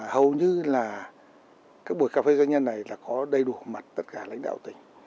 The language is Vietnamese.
hầu như là các buổi cà phê doanh nhân này là có đầy đủ mặt tất cả lãnh đạo tỉnh